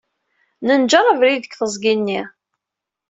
Nenjeṛ abrid deg teẓgi-nni.